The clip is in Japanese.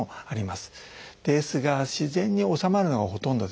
ですが自然に治まるのがほとんどです。